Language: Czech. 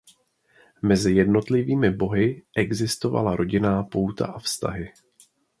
Mezi jednotlivými bohy existovala rodinná pouta a vztahy.